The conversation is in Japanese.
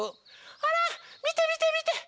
ほらみてみてみて。